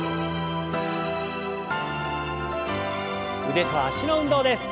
腕と脚の運動です。